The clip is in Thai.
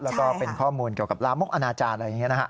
แล้วก็เป็นข้อมูลเกี่ยวกับลามกอนาจารย์อะไรอย่างนี้นะฮะ